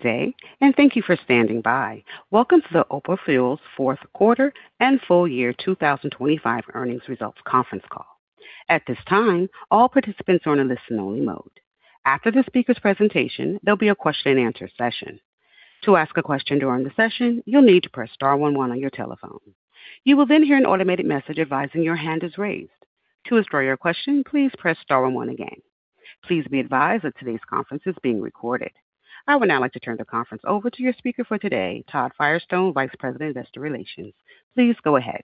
day, thank you for standing by. Welcome to the OPAL Fuels Fourth Quarter and Full Year 2025 Earnings Results Conference Call. At this time, all participants are on a listen-only mode. After the speaker's presentation, there'll be a question-and-answer session. To ask a question during the session, you'll need to press star 11 on your telephone. You will then hear an automated message advising your hand is raised. To withdraw your question, please press star 11 again. Please be advised that today's conference is being recorded. I would now like to turn the conference over to your speaker for today, Todd Firestone, Vice President of Investor Relations. Please go ahead.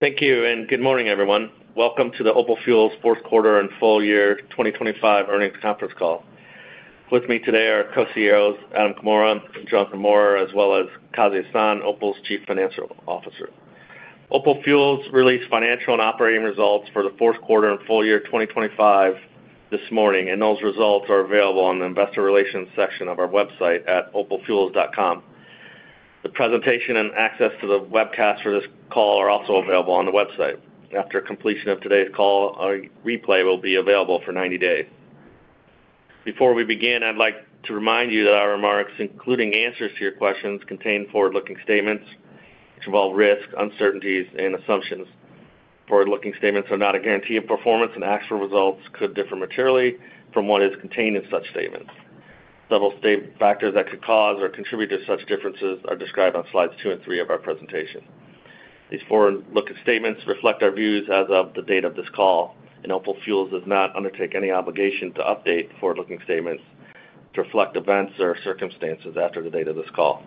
Thank you and good morning, everyone. Welcome to the OPAL Fuels Fourth Quarter and Full Year 2025 Earnings Conference Call. With me today are Co-CEOs Adam Comora, Jonathan Maurer, as well as Kazi Hasan, OPAL's Chief Financial Officer. OPAL Fuels released financial and operating results for the fourth quarter and full year 2025 this morning, and those results are available on the investor relations section of our website at opalfuels.com. The presentation and access to the webcast for this call are also available on the website. After completion of today's call, a replay will be available for 90 days. Before we begin, I'd like to remind you that our remarks, including answers to your questions, contain forward-looking statements which involve risks, uncertainties and assumptions. Forward-looking statements are not a guarantee of performance, and actual results could differ materially from what is contained in such statements. Several state factors that could cause or contribute to such differences are described on slides two and three of our presentation. These forward-looking statements reflect our views as of the date of this call, and OPAL Fuels does not undertake any obligation to update forward-looking statements to reflect events or circumstances after the date of this call.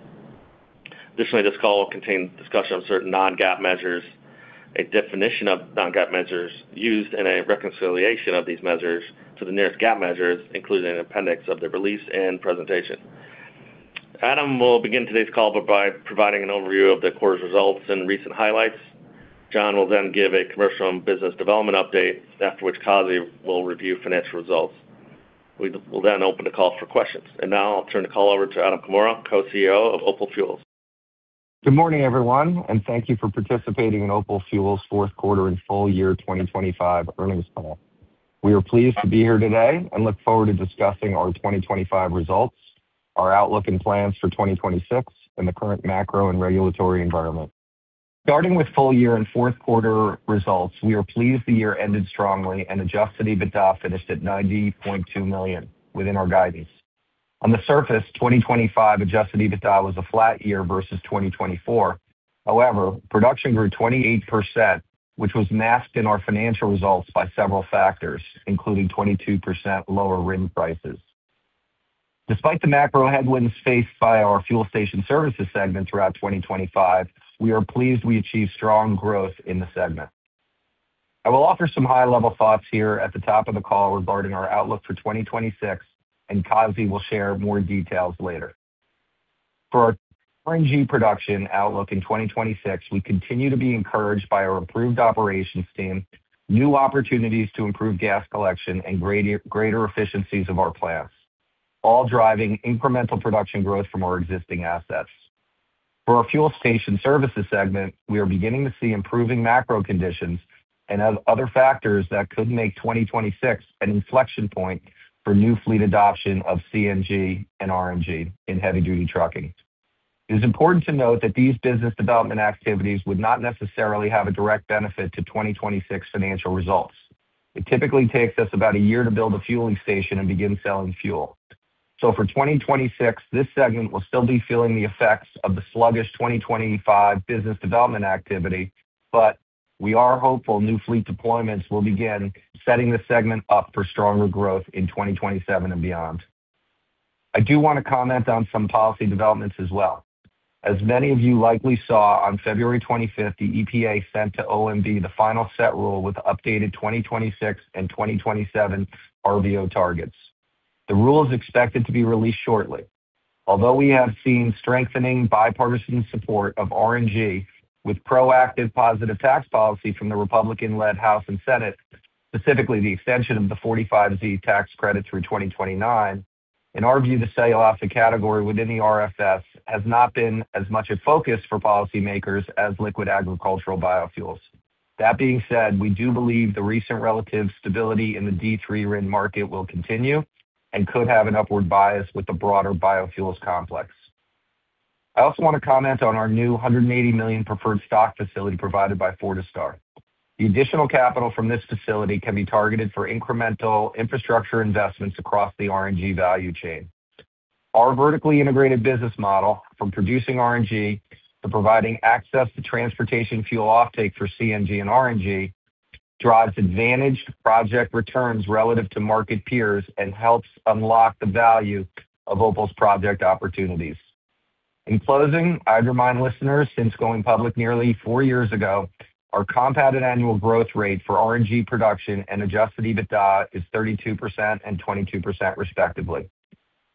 Additionally, this call will contain discussion of certain non-GAAP measures, a definition of non-GAAP measures used in a reconciliation of these measures to the nearest GAAP measures, including an appendix of the release and presentation. Adam will begin today's call by providing an overview of the quarter's results and recent highlights. Jonathan will then give a commercial and business development update, after which Kazi will review financial results. We will then open the call for questions. Now I'll turn the call over to Adam Comora, Co-CEO of OPAL Fuels. Good morning, everyone, and thank you for participating in OPAL Fuels fourth quarter and full year 2025 earnings call. We are pleased to be here today and look forward to discussing our 2025 results, our outlook, and plans for 2026 in the current macro and regulatory environment. Starting with full year and fourth quarter results, we are pleased the year ended strongly and adjusted EBITDA finished at $90.2 million within our guidance. On the surface, 2025 adjusted EBITDA was a flat year versus 2024. However, production grew 28%, which was masked in our financial results by several factors, including 22% lower RIN prices. Despite the macro headwinds faced by our Fuel Station Services segment throughout 2025, we are pleased we achieved strong growth in the segment. I will offer some high-level thoughts here at the top of the call regarding our outlook for 2026 and Kazi will share more details later. For our RNG production outlook in 2026, we continue to be encouraged by our improved operations team, new opportunities to improve gas collection and greater efficiencies of our plants, all driving incremental production growth from our existing assets. For our Fuel Station Services segment, we are beginning to see improving macro conditions and other factors that could make 2026 an inflection point for new fleet adoption of CNG and RNG in heavy-duty trucking. It is important to note that these business development activities would not necessarily have a direct benefit to 2026 financial results. It typically takes us about a year to build a fueling station and begin selling fuel. For 2026, this segment will still be feeling the effects of the sluggish 2025 business development activity. We are hopeful new fleet deployments will begin setting the segment up for stronger growth in 2027 and beyond. I do want to comment on some policy developments as well. As many of you likely saw on February 5, the EPA sent to OMB the final Set Rule with updated 2026 and 2027 RVO targets. The rule is expected to be released shortly. Although we have seen strengthening bipartisan support of RNG with proactive positive tax policy from the Republican-led House and Senate, specifically the extension of the 45Z tax credit through 2029. In our view, the D3 category within the RFS has not been as much a focus for policymakers as liquid agricultural biofuels. That being said, we do believe the recent relative stability in the D3 RIN market will continue and could have an upward bias with the broader biofuels complex. I also want to comment on our new $180 million preferred stock facility provided by Fortistar. The additional capital from this facility can be targeted for incremental infrastructure investments across the RNG value chain. Our vertically integrated business model from producing RNG to providing access to transportation fuel offtake for CNG and RNG drives advantage to project returns relative to market peers and helps unlock the value of OPAL's project opportunities. In closing, I'd remind listeners, since going public nearly four years ago, our compounded annual growth rate for RNG production and adjusted EBITDA is 32% and 22% respectively.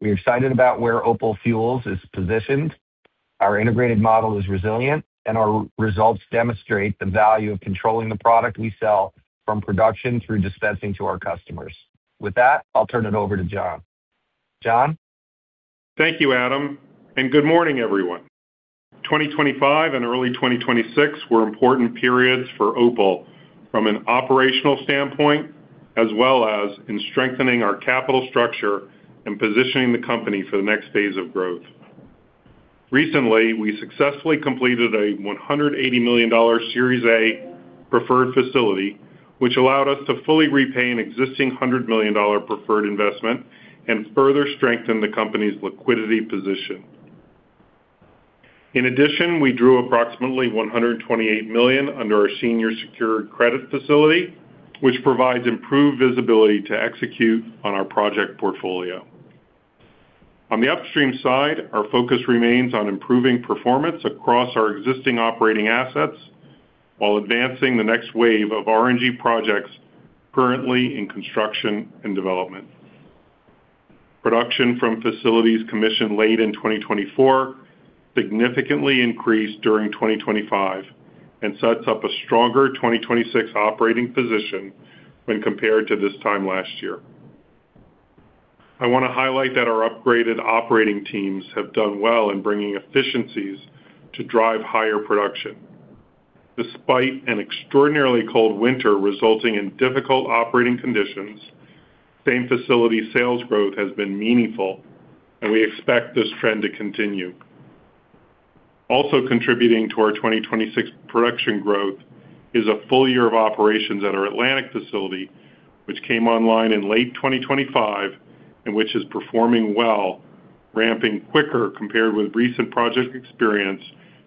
We are excited about where OPAL Fuels is positioned. Our integrated model is resilient, and our results demonstrate the value of controlling the product we sell from production through dispensing to our customers. With that, I'll turn it over to Jonathan. Jonathan? Thank you, Adam, and good morning everyone. 2025 and early 2026 were important periods for Opal from an operational standpoint, as well as in strengthening our capital structure and positioning the company for the next phase of growth. Recently, we successfully completed a $180 million Series A preferred facility, which allowed us to fully repay an existing $100 million preferred investment and further strengthen the company's liquidity position. In addition, we drew approximately $128 million under our senior secured credit facility, which provides improved visibility to execute on our project portfolio. On the upstream side, our focus remains on improving performance across our existing operating assets while advancing the next wave of RNG projects currently in construction and development. Production from facilities commissioned late in 2024 significantly increased during 2025 and sets up a stronger 2026 operating position when compared to this time last year. I want to highlight that our upgraded operating teams have done well in bringing efficiencies to drive higher production. Despite an extraordinarily cold winter resulting in difficult operating conditions, same-facility sales growth has been meaningful, and we expect this trend to continue. Also contributing to our 2026 production growth is a full year of operations at our Atlantic facility, which came online in late 2025 and which is performing well, ramping quicker compared with recent project experience,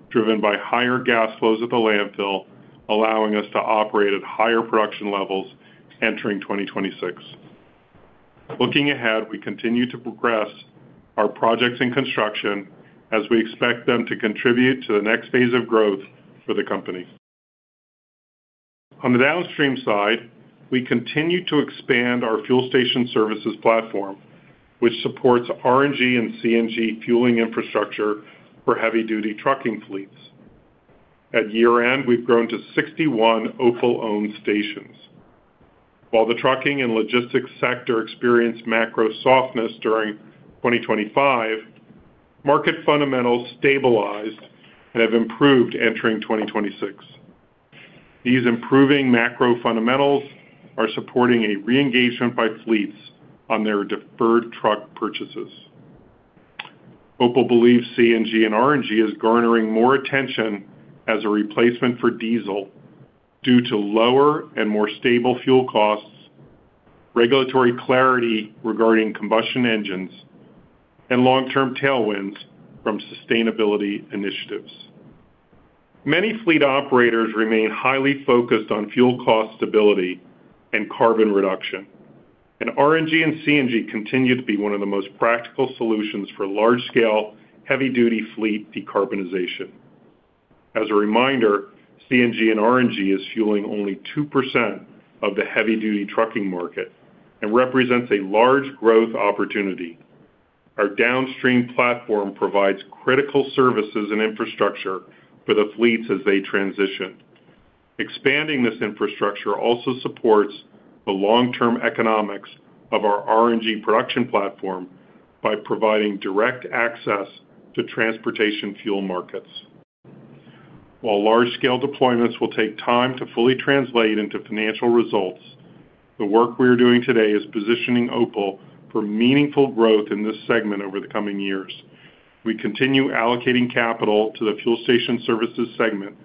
driven by higher gas flows at the landfill, allowing us to operate at higher production levels entering 2026. Looking ahead, we continue to progress our projects in construction as we expect them to contribute to the next phase of growth for the company. On the downstream side, we continue to expand our fuel station services platform, which supports RNG and CNG fueling infrastructure for heavy-duty trucking fleets. At year-end, we've grown to 61 Opal-owned stations. While the trucking and logistics sector experienced macro softness during 2025, market fundamentals stabilized and have improved entering 2026. These improving macro fundamentals are supporting a re-engagement by fleets on their deferred truck purchases. Opal believes CNG and RNG is garnering more attention as a replacement for diesel due to lower and more stable fuel costs, regulatory clarity regarding combustion engines, and long-term tailwinds from sustainability initiatives. Many fleet operators remain highly focused on fuel cost stability and carbon reduction, and RNG and CNG continue to be one of the most practical solutions for large-scale, heavy-duty fleet decarbonization. As a reminder, CNG and RNG is fueling only 2% of the heavy-duty trucking market and represents a large growth opportunity. Our downstream platform provides critical services and infrastructure for the fleets as they transition. Expanding this infrastructure also supports the long-term economics of our RNG production platform by providing direct access to transportation fuel markets. While large-scale deployments will take time to fully translate into financial results, the work we are doing today is positioning OPAL Fuels for meaningful growth in this segment over the coming years. We continue allocating capital to the fuel station services segment,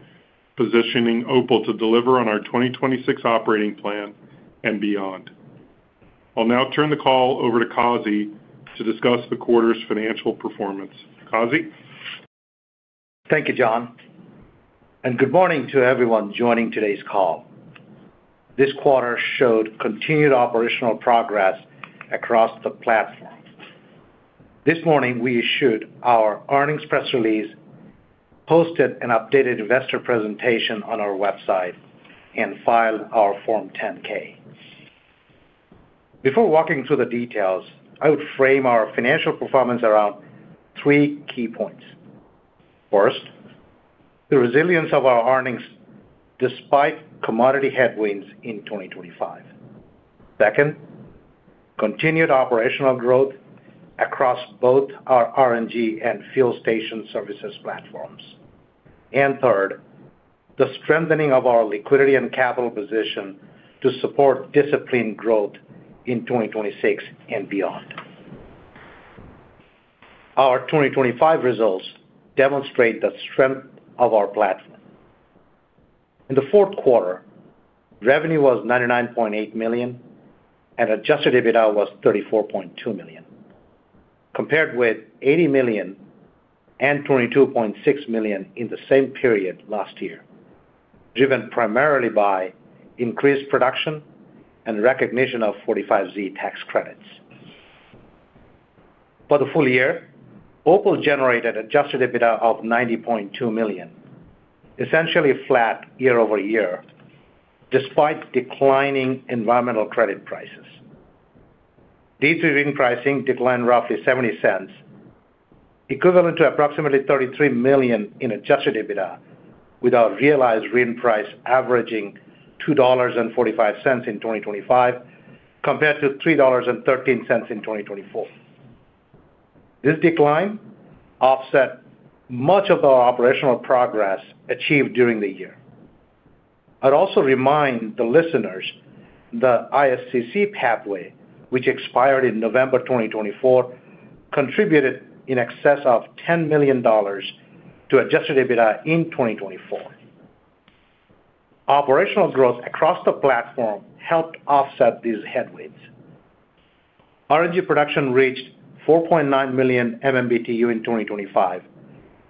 positioning OPAL Fuels to deliver on our 2026 operating plan and beyond. I'll now turn the call over to Kazi to discuss the quarter's financial performance. Kazi? Thank you, John, and good morning to everyone joining today's call. This quarter showed continued operational progress across the platform. This morning, we issued our earnings press release, posted an updated investor presentation on our website and filed our Form 10-K. Before walking through the details, I would frame our financial performance around three key points. First, the resilience of our earnings despite commodity headwinds in 2025. Second, continued operational growth across both our RNG and Fuel Station Services platforms. Third, the strengthening of our liquidity and capital position to support disciplined growth in 2026 and beyond. Our 2025 results demonstrate the strength of our platform. In the fourth quarter, revenue was $99.8 million and adjusted EBITDA was $34.2 million, compared with $80 million and $22.6 million in the same period last year, driven primarily by increased production and recognition of 45Z tax credits. For the full year, Opal generated adjusted EBITDA of $90.2 million, essentially flat year over year, despite declining environmental credit prices. D3 pricing declined roughly 70 cents, equivalent to approximately $33 million in adjusted EBITDA, with our realized RIN price averaging $2.45 in 2025 compared to $3.13 in 2024. This decline offset much of our operational progress achieved during the year. I'd also remind the listeners the ISCC pathway, which expired in November 2024, contributed in excess of $10 million to adjusted EBITDA in 2024. Operational growth across the platform helped offset these headwinds. RNG production reached 4.9 million MMBtu in 2025,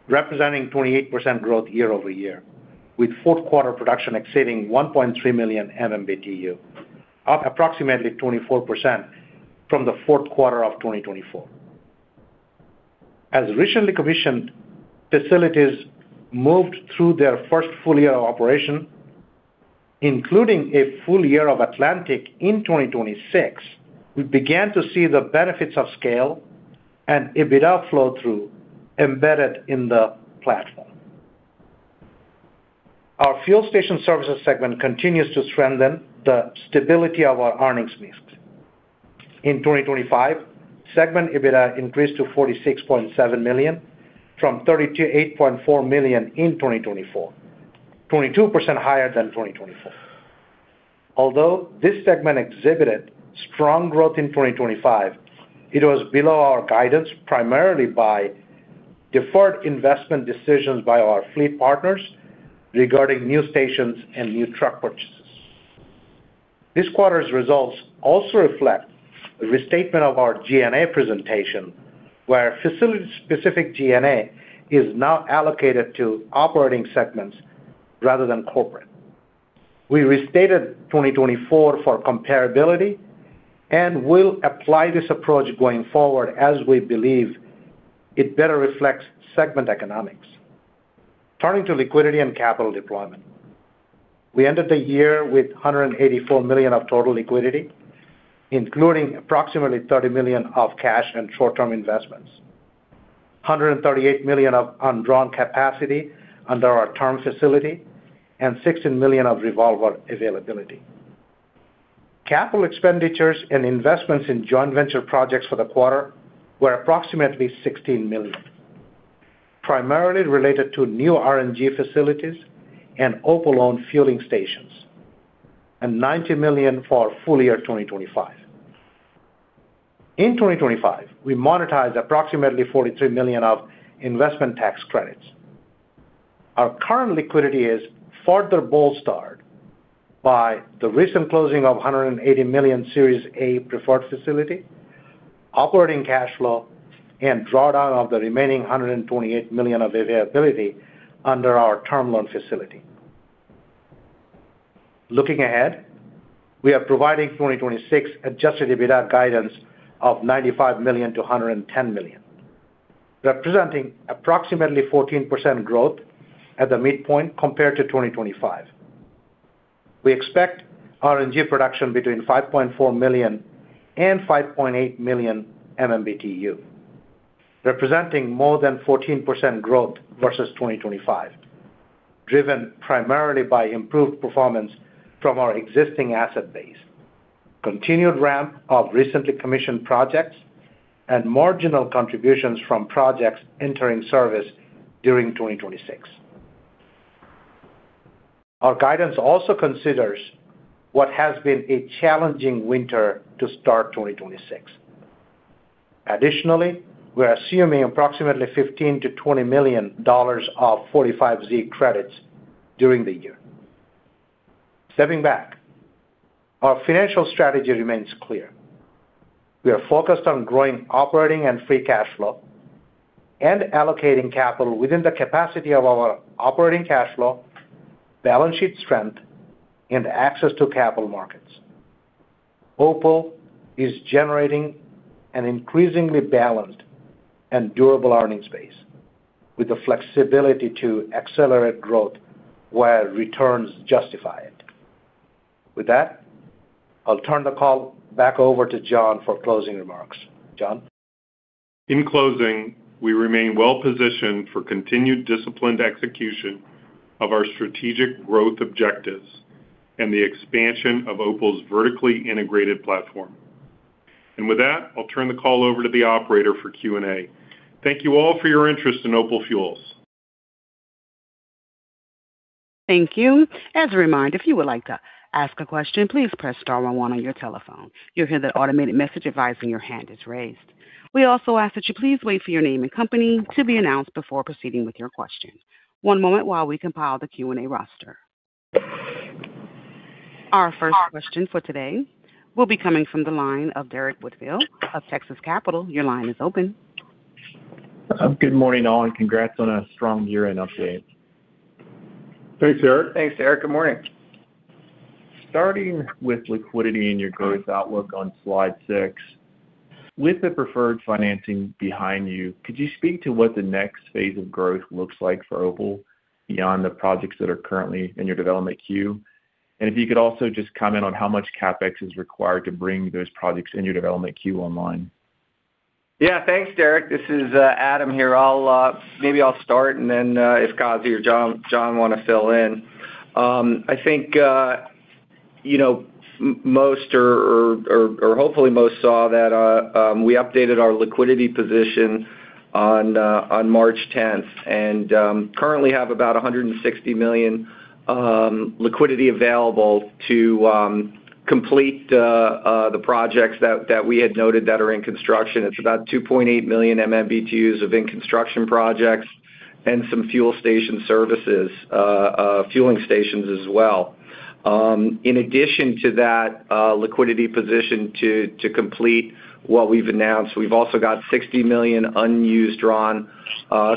representing 28% growth year-over-year, with fourth quarter production exceeding 1.3 million MMBtu, up approximately 24% from the fourth quarter of 2024. As recently commissioned facilities moved through their first full year of operation, including a full year of Atlantic in 2026, we began to see the benefits of scale and EBITDA flow through embedded in the platform. Our Fuel Station Services segment continues to strengthen the stability of our earnings mix. In 2025, segment EBITDA increased to $46.7 million from $38.4 million in 2024, 22% higher than 2024. Although this segment exhibited strong growth in 2025, it was below our guidance primarily by deferred investment decisions by our fleet partners regarding new stations and new truck purchases. This quarter's results also reflect the restatement of our G&A presentation, where facility-specific G&A is now allocated to operating segments rather than corporate. We restated 2024 for comparability and will apply this approach going forward as we believe it better reflects segment economics. Turning to liquidity and capital deployment. We ended the year with $184 million of total liquidity, including approximately $30 million of cash and short-term investments, $138 million of undrawn capacity under our term facility, and $16 million of revolver availability. Capital expenditures and investments in joint venture projects for the quarter were approximately $16 million, primarily related to new RNG facilities and OPAL-owned fueling stations, and $90 million for full year 2025. In 2025, we monetized approximately $43 million of investment tax credits. Our current liquidity is further bolstered by the recent closing of a $180 million Series A preferred facility, operating cash flow, and drawdown of the remaining $128 million of availability under our term loan facility. Looking ahead, we are providing 2026 adjusted EBITDA guidance of $95 million-$110 million, representing approximately 14% growth at the midpoint compared to 2025. We expect RNG production between 5.4 million and 5.8 million MMBtu, representing more than 14% growth versus 2025, driven primarily by improved performance from our existing asset base, continued ramp of recently commissioned projects, and marginal contributions from projects entering service during 2026. Our guidance also considers what has been a challenging winter to start 2026. Additionally, we're assuming approximately $15 million-$20 million of 45Z credits during the year. Stepping back, our financial strategy remains clear. We are focused on growing operating and free cash flow and allocating capital within the capacity of our operating cash flow, balance sheet strength, and access to capital markets. OPAL is generating an increasingly balanced and durable earnings base with the flexibility to accelerate growth where returns justify it. With that, I'll turn the call back over to John for closing remarks. John? In closing, we remain well-positioned for continued disciplined execution of our strategic growth objectives and the expansion of OPAL's vertically integrated platform. With that, I'll turn the call over to the operator for Q&A. Thank you all for your interest in OPAL Fuels. Thank you. As a reminder, if you would like to ask a question, please press star one one on your telephone. You'll hear the automated message advising your hand is raised. We also ask that you please wait for your name and company to be announced before proceeding with your question. One moment while we compile the Q&A roster. Our first question for today will be coming from the line of Derrick Whitfield of Texas Capital. Your line is open. Good morning, all, and congrats on a strong year-end update. Thanks, Derrick. Thanks, Derrick. Good morning. Starting with liquidity and your growth outlook on slide 6. With the preferred financing behind you, could you speak to what the next phase of growth looks like for OPAL Fuels beyond the projects that are currently in your development queue? If you could also just comment on how much CapEx is required to bring those projects in your development queue online. Yeah, thanks, Derrick. This is Adam here. Maybe I'll start and then if Kazi or Jonathan wanna fill in. I think you know most, or hopefully most saw that we updated our liquidity position on March tenth, and currently have about $160 million liquidity available to complete the projects that we had noted that are in construction. It's about 2.8 million MMBtu of in-construction projects and some Fuel Station Services, fueling stations as well. In addition to that liquidity position to complete what we've announced, we've also got $60 million undrawn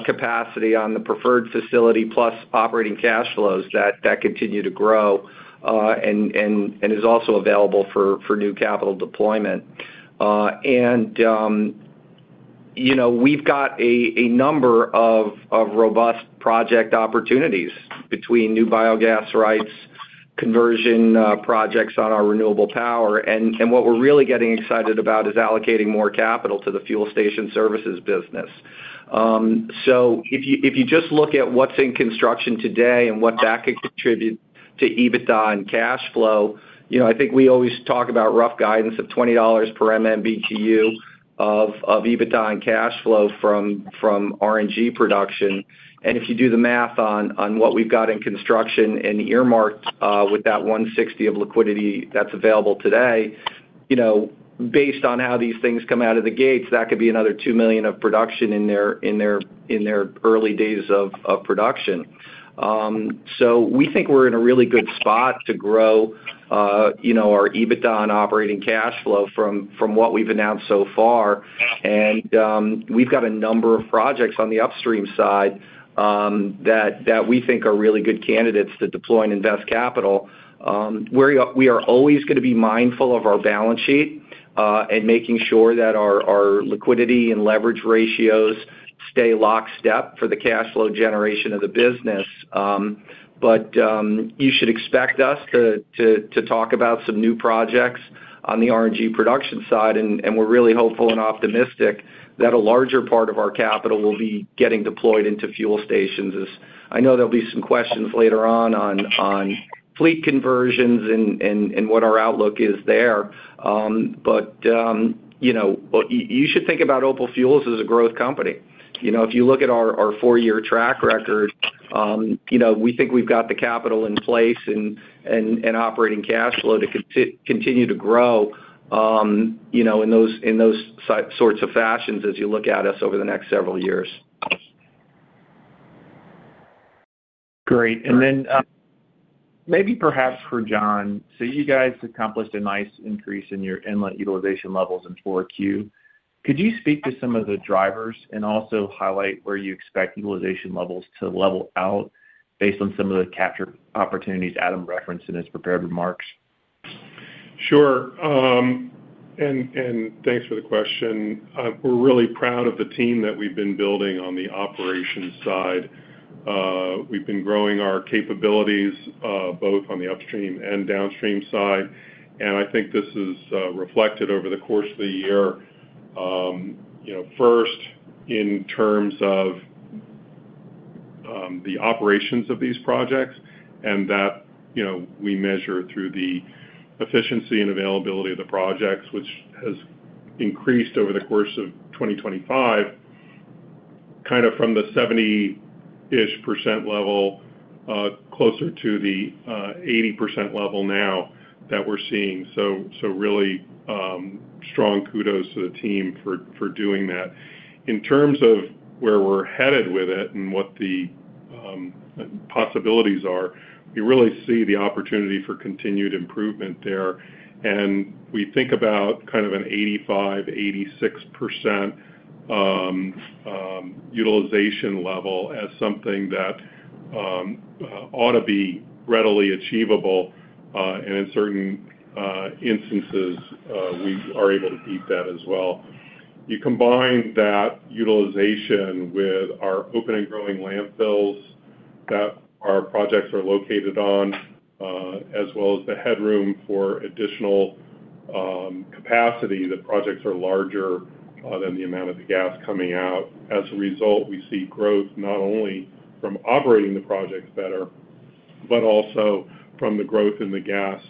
capacity on the preferred facility, plus operating cash flows that continue to grow and is also available for new capital deployment. You know, we've got a number of robust project opportunities between new biogas rights conversion projects on our Renewable Power. What we're really getting excited about is allocating more capital to the Fuel Station Services business. If you just look at what's in construction today and what that could contribute to EBITDA and cash flow, you know, I think we always talk about rough guidance of $20 per MMBtu of EBITDA and cash flow from RNG production. If you do the math on what we've got in construction and earmarked with that $160 of liquidity that's available today, you know, based on how these things come out of the gates, that could be another 2 million of production in their early days of production. We think we're in a really good spot to grow, you know, our EBITDA and operating cash flow from what we've announced so far. We've got a number of projects on the upstream side that we think are really good candidates to deploy and invest capital. We are always gonna be mindful of our balance sheet and making sure that our liquidity and leverage ratios stay lockstep for the cash flow generation of the business. You should expect us to talk about some new projects on the RNG production side, and we're really hopeful and optimistic that a larger part of our capital will be getting deployed into fuel stations as I know there'll be some questions later on fleet conversions and what our outlook is there. You know, you should think about OPAL Fuels as a growth company. You know, if you look at our four-year track record, you know, we think we've got the capital in place and operating cash flow to continue to grow, you know, in those sorts of fashions as you look at us over the next several years. Great. Maybe perhaps for Jonathan. You guys accomplished a nice increase in your inlet utilization levels in Q4. Could you speak to some of the drivers and also highlight where you expect utilization levels to level out based on some of the capture opportunities Adam referenced in his prepared remarks? Sure. Thanks for the question. We're really proud of the team that we've been building on the operations side. We've been growing our capabilities both on the upstream and downstream side, and I think this is reflected over the course of the year, you know, first in terms of the operations of these projects and that you know, we measure through the efficiency and availability of the projects, which has increased over the course of 2025, kind of from the 70-ish% level closer to the 80% level now that we're seeing. Really strong kudos to the team for doing that. In terms of where we're headed with it and what the possibilities are, we really see the opportunity for continued improvement there, and we think about kind of an 85%-86% utilization level as something that ought to be readily achievable, and in certain instances, we are able to beat that as well. You combine that utilization with our open and growing landfills that our projects are located on, as well as the headroom for additional capacity. The projects are larger than the amount of the gas coming out. As a result, we see growth not only from operating the projects better, but also from the growth in the gas.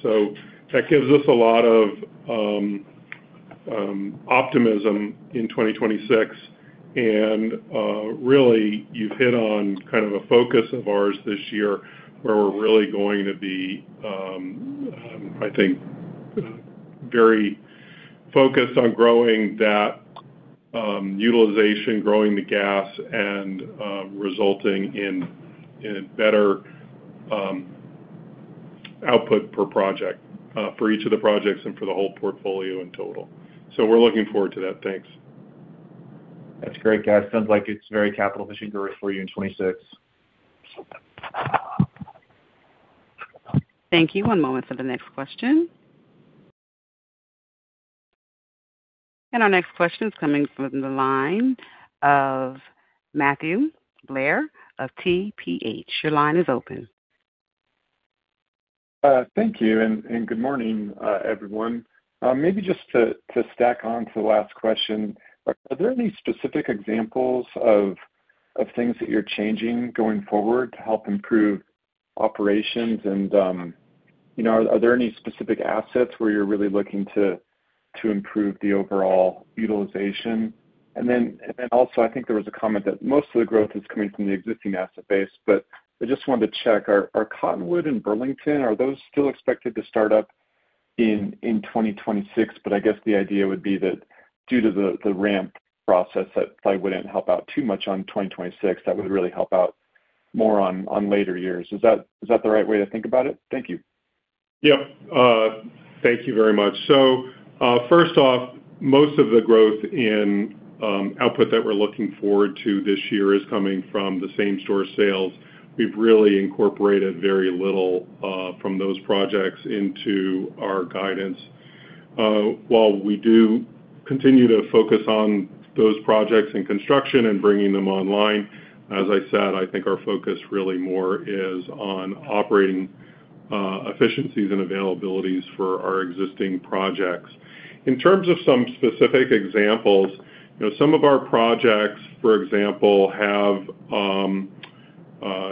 That gives us a lot of optimism in 2026. Really, you've hit on kind of a focus of ours this year, where we're really going to be, I think, very focused on growing that, utilization, growing the gas, and, resulting in a better, output per project, for each of the projects and for the whole portfolio in total. We're looking forward to that. Thanks. That's great, guys. Sounds like it's very capital-efficient growth for you in 2026. Thank you. One moment for the next question. Our next question is coming from the line of Matthew Blair of TPH. Your line is open. Thank you, and good morning, everyone. Maybe just to stack on to the last question, are there any specific examples of things that you're changing going forward to help improve operations and, you know, are there any specific assets where you're really looking to improve the overall utilization? Then also, I think there was a comment that most of the growth is coming from the existing asset base, but I just wanted to check. Are Cottonwood and Burlington still expected to start up in 2026? I guess the idea would be that due to the ramp process, that probably wouldn't help out too much on 2026. That would really help out more on later years. Is that the right way to think about it? Thank you. Yep. Thank you very much. First off, most of the growth in output that we're looking forward to this year is coming from the same-store sales. We've really incorporated very little from those projects into our guidance. While we do continue to focus on those projects in construction and bringing them online, as I said, I think our focus really more is on operating efficiencies and availabilities for our existing projects. In terms of some specific examples, you know, some of our projects, for example, have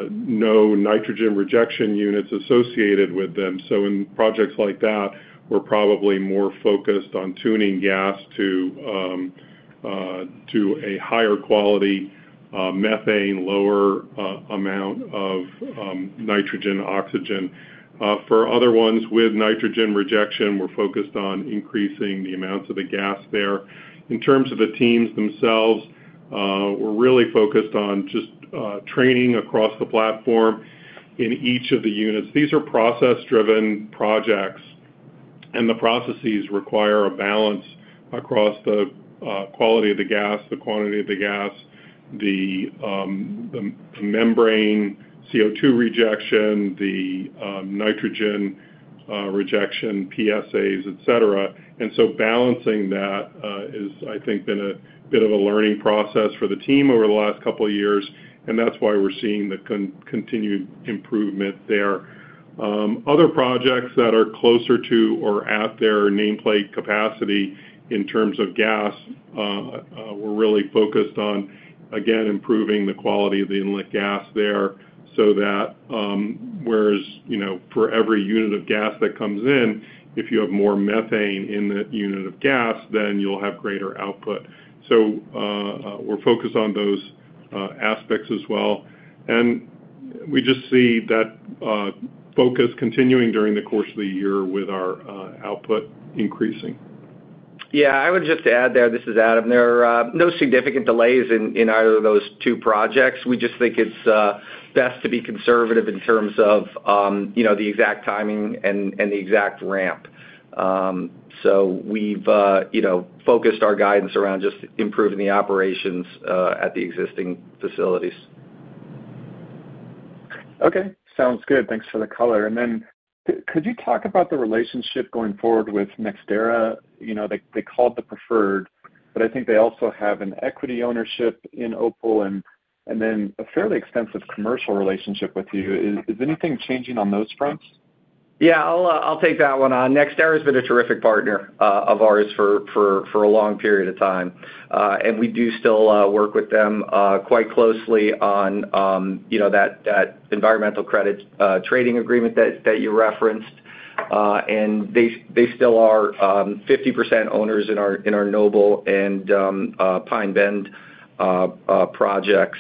no nitrogen rejection units associated with them. In projects like that, we're probably more focused on tuning gas to a higher quality methane, lower amount of nitrogen, oxygen. For other ones with nitrogen rejection, we're focused on increasing the amounts of the gas there. In terms of the teams themselves, we're really focused on just training across the platform in each of the units. These are process-driven projects, and the processes require a balance across the quality of the gas, the quantity of the gas, the membrane, CO2 rejection, the nitrogen rejection, PSAs, et cetera. Balancing that is, I think, been a bit of a learning process for the team over the last couple of years, and that's why we're seeing the continued improvement there. Other projects that are closer to or at their nameplate capacity in terms of gas, we're really focused on, again, improving the quality of the inlet gas there so that, whereas, you know, for every unit of gas that comes in, if you have more methane in the unit of gas, then you'll have greater output. We're focused on those aspects as well. We just see that focus continuing during the course of the year with our output increasing. Yeah, I would just add there, this is Adam, there are no significant delays in either of those two projects. We just think it's best to be conservative in terms of you know, the exact timing and the exact ramp. We've you know, focused our guidance around just improving the operations at the existing facilities. Okay. Sounds good. Thanks for the color. Could you talk about the relationship going forward with NextEra? You know, they called the preferred, but I think they also have an equity ownership in Opal and then a fairly extensive commercial relationship with you. Is anything changing on those fronts? Yeah. I'll take that one on. NextEra has been a terrific partner of ours for a long period of time. We do still work with them quite closely on, you know, that environmental credits trading agreement that you referenced. They still are 50% owners in our Noble and Pine Bend projects.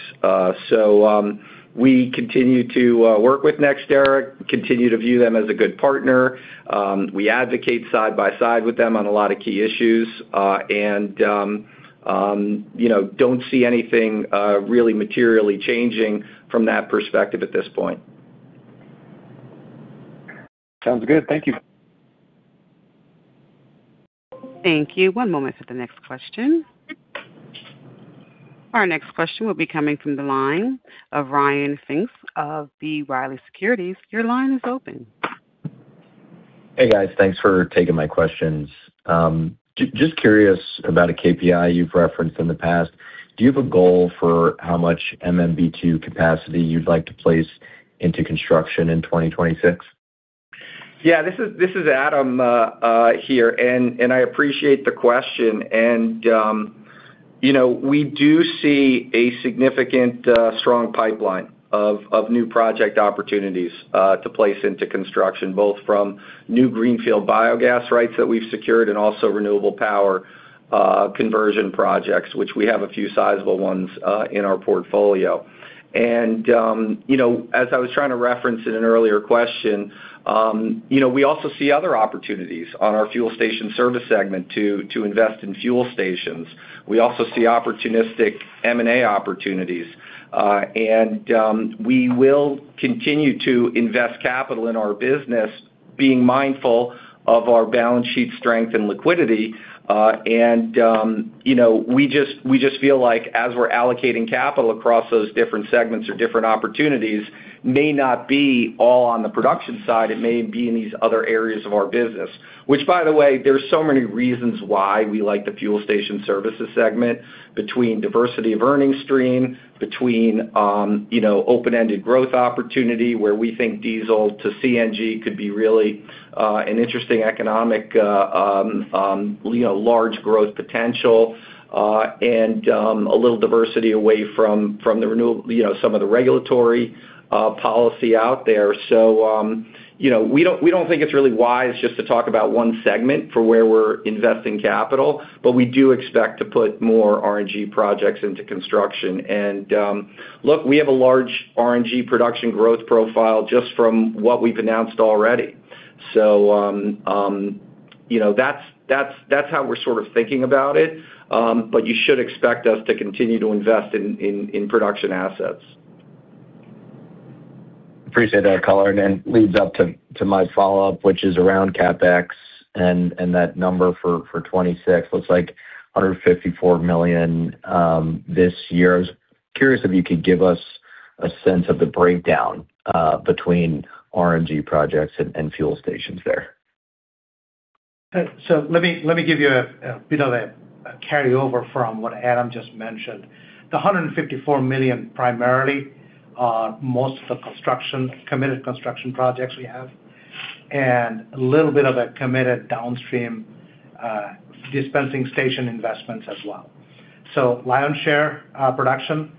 We continue to work with NextEra, continue to view them as a good partner. We advocate side by side with them on a lot of key issues, you know, don't see anything really materially changing from that perspective at this point. Sounds good. Thank you. Thank you. One moment for the next question. Our next question will be coming from the line of Ryan Pfingst of B. Riley Securities. Your line is open. Hey, guys. Thanks for taking my questions. Just curious about a KPI you've referenced in the past. Do you have a goal for how much MMBtu capacity you'd like to place into construction in 2026? This is Adam here, and I appreciate the question. You know, we do see a significant strong pipeline of new project opportunities to place into construction, both from new greenfield biogas rights that we've secured and also Renewable Power conversion projects, which we have a few sizable ones in our portfolio. You know, as I was trying to reference in an earlier question, you know, we also see other opportunities on our Fuel Station Services segment to invest in fuel stations. We also see opportunistic M&A opportunities. We will continue to invest capital in our business, being mindful of our balance sheet strength and liquidity. We just feel like as we're allocating capital across those different segments or different opportunities, it may not be all on the production side. It may be in these other areas of our business. Which, by the way, there are so many reasons why we like the Fuel Station Services segment, between diversity of earnings stream, between open-ended growth opportunity, where we think diesel to CNG could be really an interesting economic, you know, large growth potential, and a little diversity away from the renewable, you know, some of the regulatory policy out there. We don't think it's really wise just to talk about one segment for where we're investing capital, but we do expect to put more RNG projects into construction. Look, we have a large RNG production growth profile just from what we've announced already. You know, that's how we're sort of thinking about it. But you should expect us to continue to invest in production assets. Appreciate that color, and then leads up to my follow-up, which is around CapEx and that number for 2026. Looks like $154 million this year. I was curious if you could give us a sense of the breakdown between RNG projects and fuel stations there. Let me give you a bit of a carryover from what Adam just mentioned. The $154 million primarily are most of the committed construction projects we have, and a little bit of a committed downstream dispensing station investments as well. Lion's share production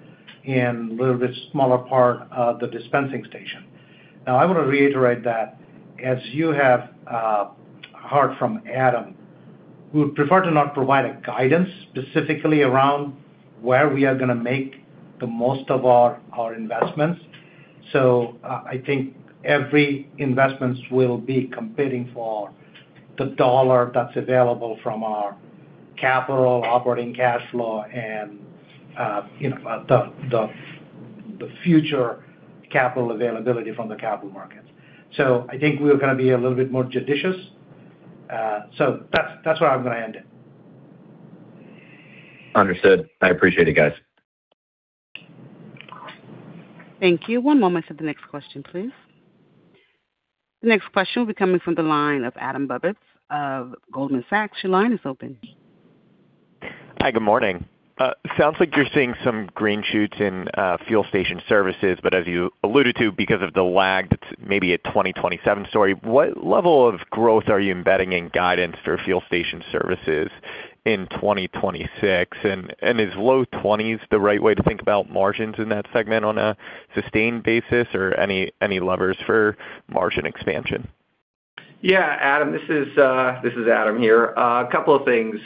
and a little bit smaller part of the dispensing station. Now, I want to reiterate that as you have heard from Adam, we would prefer to not provide a guidance specifically around where we are gonna make the most of our investments. I think every investments will be competing for the dollar that's available from our capital operating cash flow and the future capital availability from the capital markets. I think we're gonna be a little bit more judicious. That's where I'm gonna end it. Understood. I appreciate it, guys. Thank you. One moment to the next question, please. The next question will be coming from the line of Adam Bubes of Goldman Sachs. Your line is open. Hi. Good morning. Sounds like you're seeing some green shoots in Fuel Station Services, but as you alluded to, because of the lag, that's maybe a 2027 story. What level of growth are you embedding in guidance for Fuel Station Services in 2026? Is low 20s% the right way to think about margins in that segment on a sustained basis or any levers for margin expansion? Yeah, Adam, this is Adam here. A couple of things.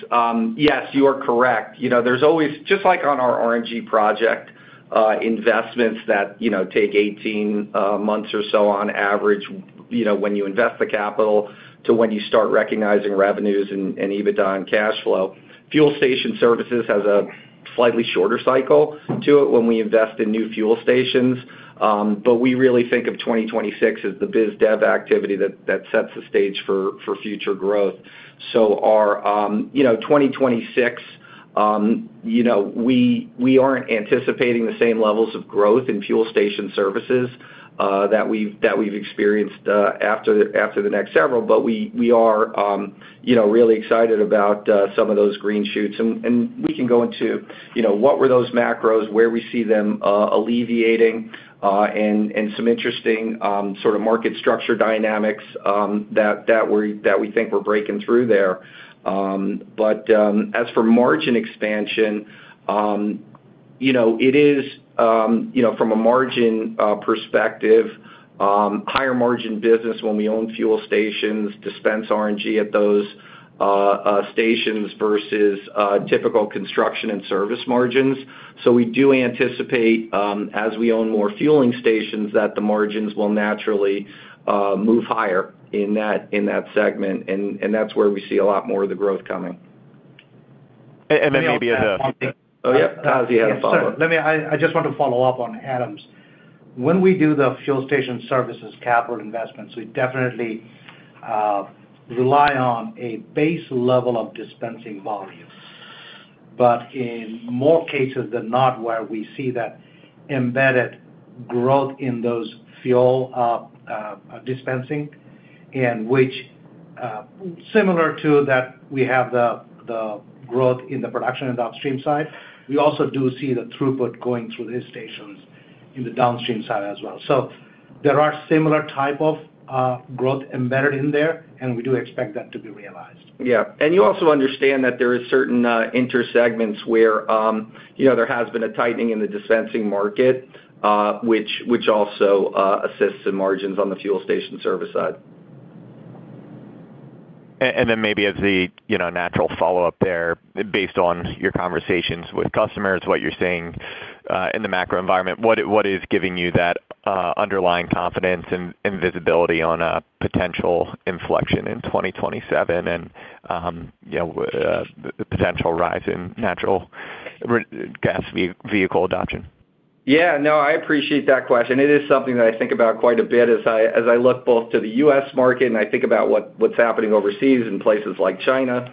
Yes, you are correct. You know, there's always, just like on our RNG project, investments that, you know, take 18 months or so on average, you know, when you invest the capital to when you start recognizing revenues and EBITDA and cash flow. Fuel Station Services has a slightly shorter cycle to it when we invest in new fuel stations. We really think of 2026 as the biz dev activity that sets the stage for future growth. Our 2026, you know, we aren't anticipating the same levels of growth in Fuel Station Services that we've experienced after the next several, but we are, you know, really excited about some of those green shoots and we can go into, you know, what were those macros, where we see them alleviating, and some interesting sort of market structure dynamics that we think we're breaking through there. But as for margin expansion, you know, it is, you know, from a margin perspective, higher margin business when we own fuel stations dispense RNG at those stations versus typical construction and service margins. We do anticipate, as we own more fueling stations, that the margins will naturally move higher in that segment, and that's where we see a lot more of the growth coming. And then maybe as a- Oh, yeah. Kazi, you had a follow-up. I just want to follow up on Adam's. When we do the Fuel Station Services capital investments, we definitely rely on a base level of dispensing volume. In more cases than not where we see that embedded growth in those fuel dispensing, and which similar to that we have the growth in the production and downstream side, we also do see the throughput going through these stations in the downstream side as well. There are similar type of growth embedded in there, and we do expect that to be realized. Yeah. You also understand that there is certain intersegments where you know there has been a tightening in the dispensing market which also assists in margins on the Fuel Station Services side. Then maybe as the, you know, natural follow-up there, based on your conversations with customers, what you're seeing in the macro environment, what is giving you that underlying confidence and visibility on a potential inflection in 2027 and, you know, the potential rise in natural gas vehicle adoption? Yeah, no, I appreciate that question. It is something that I think about quite a bit as I look both to the U.S. market and I think about what's happening overseas in places like China,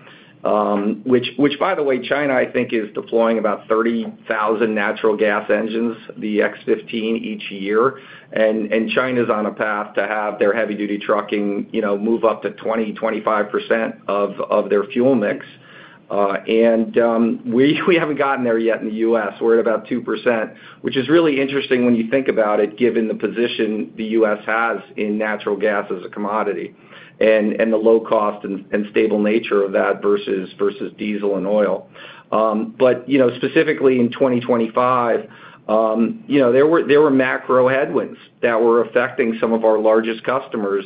which, by the way, China, I think is deploying about 30,000 natural gas engines, the X15 each year. And China's on a path to have their heavy duty trucking, you know, move up to 20-25% of their fuel mix. We haven't gotten there yet in the U.S. We're at about 2%, which is really interesting when you think about it, given the position the U.S. has in natural gas as a commodity and the low cost and stable nature of that versus diesel and oil. You know, specifically in 2025, you know, there were macro headwinds that were affecting some of our largest customers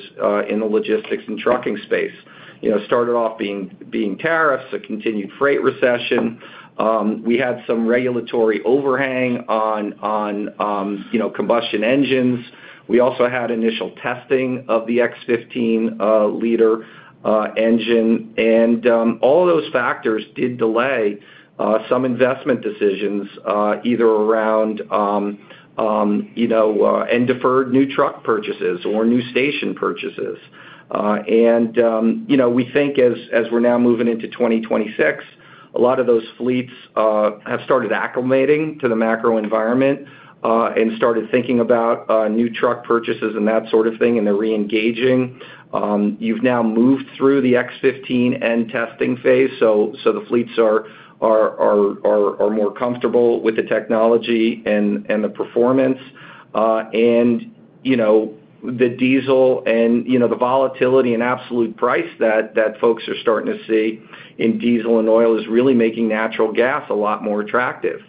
in the logistics and trucking space. You know, started off being tariffs, a continued freight recession. We had some regulatory overhang on combustion engines. We also had initial testing of the X15 liter engine. All of those factors did delay some investment decisions either around and deferred new truck purchases or new station purchases. You know, we think as we're now moving into 2026, a lot of those fleets have started acclimating to the macro environment and started thinking about new truck purchases and that sort of thing, and they're reengaging. You've now moved through the X15 engine testing phase, so the fleets are more comfortable with the technology and the performance. You know, the diesel and, you know, the volatility and absolute price that folks are starting to see in diesel and oil is really making natural gas a lot more attractive.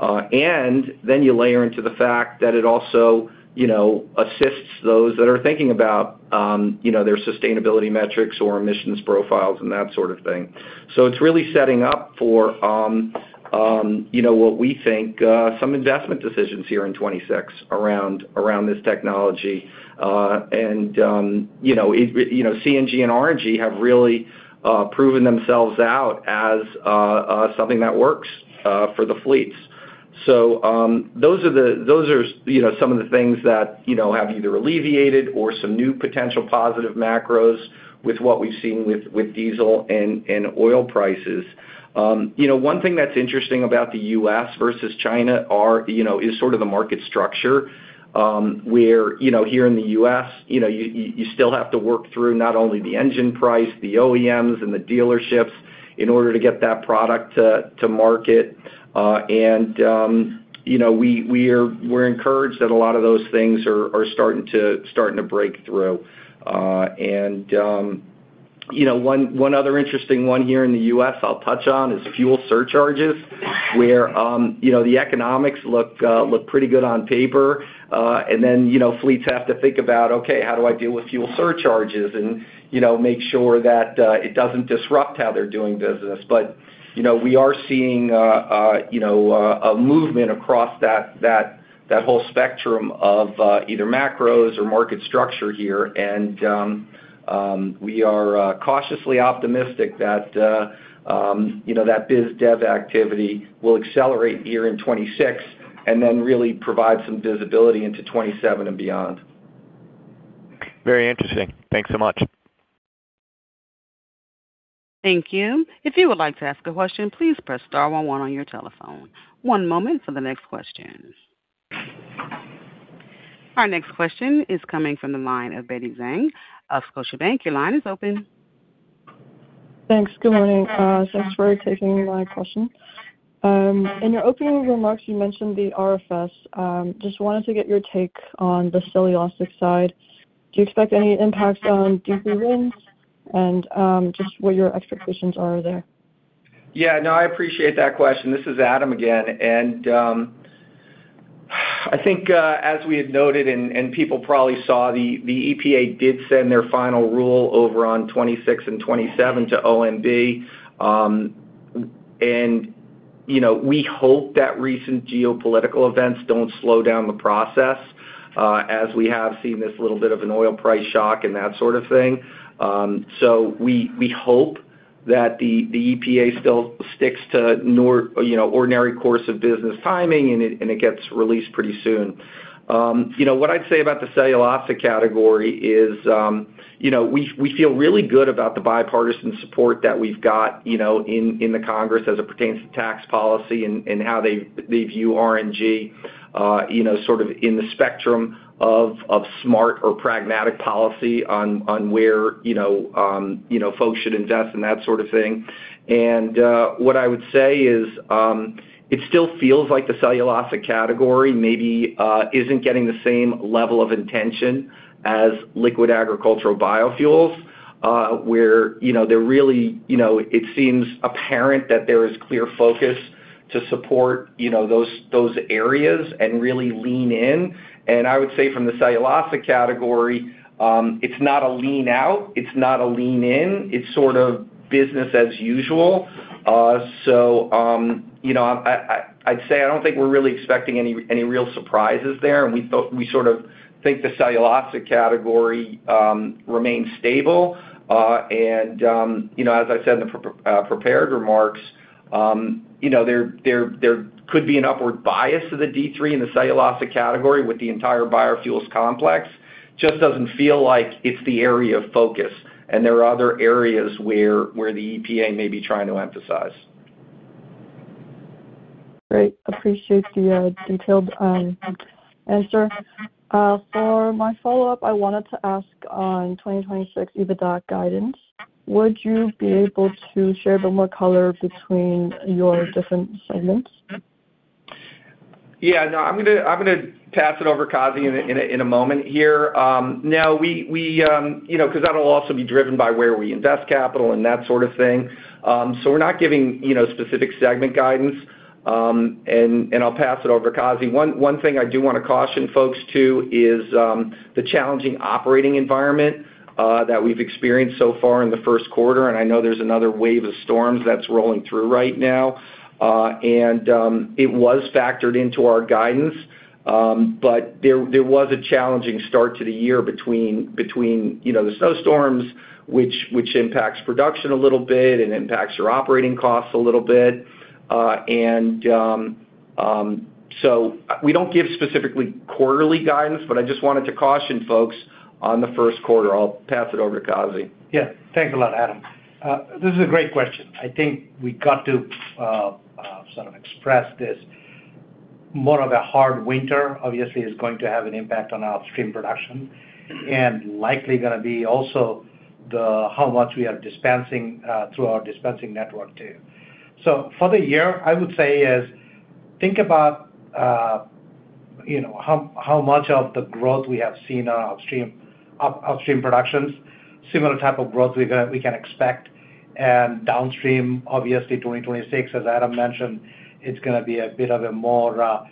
Then you layer into the fact that it also, you know, assists those that are thinking about, you know, their sustainability metrics or emissions profiles and that sort of thing. It's really setting up for, you know, what we think some investment decisions here in 2026 around this technology. You know, CNG and RNG have really proven themselves out as something that works for the fleets. Those are you know some of the things that you know have either alleviated or some new potential positive macros with what we've seen with diesel and oil prices. You know one thing that's interesting about the U.S. versus China is sort of the market structure where you know here in the U.S. you know you still have to work through not only the engine price, the OEMs, and the dealerships in order to get that product to market. You know we're encouraged that a lot of those things are starting to break through. You know one other interesting one here in the U.S. I'll touch on is fuel surcharges where you know the economics look pretty good on paper. You know, fleets have to think about, okay, how do I deal with fuel surcharges and, you know, make sure that it doesn't disrupt how they're doing business. You know, we are seeing you know, a movement across that whole spectrum of either macros or market structure here. We are cautiously optimistic that you know, that biz dev activity will accelerate here in 2026 and then really provide some visibility into 2027 and beyond. Very interesting. Thanks so much. Thank you. If you would like to ask a question, please press star one one on your telephone. One moment for the next question. Our next question is coming from the line of Betty Zhang of Scotiabank. Your line is open. Thanks. Good morning. Thanks for taking my question. In your opening remarks, you mentioned the RFS. Just wanted to get your take on the cellulosic side. Do you expect any impacts on D3 RINs? Just what your expectations are there. Yeah, no, I appreciate that question. This is Adam again. I think, as we had noted and people probably saw, the EPA did send their final rule over on twenty-six and twenty-seven to OMB. You know, we hope that recent geopolitical events don't slow down the process, as we have seen this little bit of an oil price shock and that sort of thing. We hope that the EPA still sticks to you know, ordinary course of business timing and it gets released pretty soon. You know, what I'd say about the cellulosic category is, you know, we feel really good about the bipartisan support that we've got, you know, in the Congress as it pertains to tax policy and how they view RNG, you know, sort of in the spectrum of smart or pragmatic policy on where, you know, folks should invest and that sort of thing. What I would say is, it still feels like the cellulosic category maybe isn't getting the same level of intention as liquid agricultural biofuels, where, you know, they're really, you know, it seems apparent that there is clear focus to support, you know, those areas and really lean in. I would say from the cellulosic category, it's not a lean out, it's not a lean in, it's sort of business as usual. You know, I'd say I don't think we're really expecting any real surprises there. We sort of think the cellulosic category remains stable. You know, as I said in the prepared remarks, you know, there could be an upward bias to the D3 in the cellulosic category with the entire biofuels complex. Just doesn't feel like it's the area of focus, and there are other areas where the EPA may be trying to emphasize. Great. Appreciate the detailed answer. For my follow-up, I wanted to ask on 2026 EBITDA guidance. Would you be able to share a bit more color between your different segments? Yeah, no, I'm gonna pass it over to Kazi in a moment here. Now we, you know, 'cause that'll also be driven by where we invest capital and that sort of thing. We're not giving, you know, specific segment guidance. I'll pass it over to Kazi. One thing I do wanna caution folks too is the challenging operating environment that we've experienced so far in the first quarter, and I know there's another wave of storms that's rolling through right now. It was factored into our guidance. There was a challenging start to the year between, you know, the snowstorms, which impacts production a little bit and impacts your operating costs a little bit. We don't give specifically quarterly guidance, but I just wanted to caution folks on the first quarter. I'll pass it over to Kazi. Yeah. Thanks a lot, Adam. This is a great question. I think we got to sort of express this more of a hard winter obviously is going to have an impact on our upstream production and likely gonna be also the how much we are dispensing through our dispensing network too. For the year, I would say is think about you know how much of the growth we have seen on our upstream upstream productions. Similar type of growth we can expect. Downstream, obviously 2026, as Adam mentioned, it's gonna be a bit of a more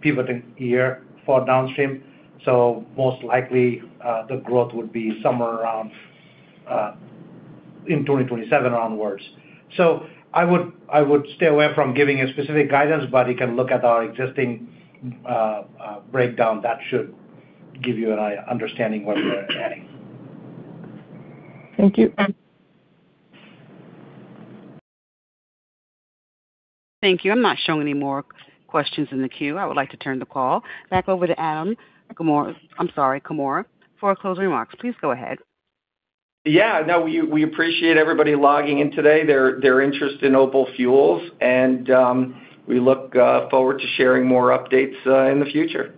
pivoting year for downstream. Most likely the growth would be somewhere around in 2027 onwards. I would stay away from giving a specific guidance, but you can look at our existing breakdown that should give you an understanding what we're adding. Thank you. Thank you. I'm not showing any more questions in the queue. I would like to turn the call back over to Adam Comora. I'm sorry, Comora, for closing remarks. Please go ahead. Yeah, no, we appreciate everybody logging in today, their interest in OPAL Fuels, and we look forward to sharing more updates in the future.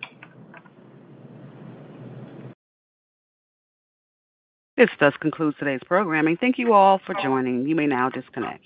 This does conclude today's programming. Thank you all for joining. You may now disconnect.